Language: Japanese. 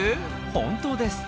本当です。